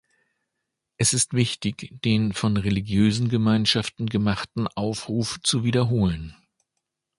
Es ist wichtig, den von religiösen Gemeinschaften gemachten Aufruf zu wiederholen.